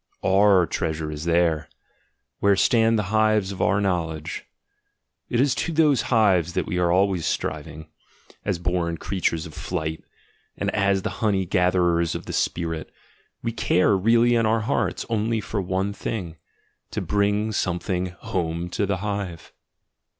Our treasure is there, where stand the hives of our knowledge. It is to those hives that we are always striving; as born creatures of flight, and as the honey gatherers of the spirit, we care really in our hearts only for one thing — to bring something "home to the hive!"